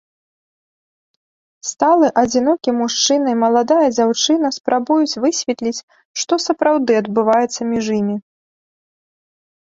Сталы адзінокі мужчына і маладая дзяўчына спрабуюць высветліць, што сапраўды адбываецца між імі.